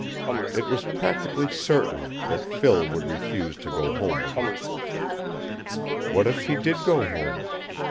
It was practically certain that Phil would refuse to go home with him. What if she did go home?